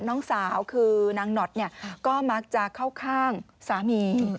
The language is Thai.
น้องสาวคือนางหนอดเนี่ยก็มักจะเข้าข้างสามี